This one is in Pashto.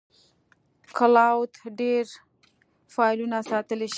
کلاوډ ډېری فایلونه ساتلی شي.